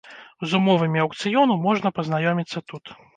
З умовамі аўкцыёну можна пазнаёміцца тут.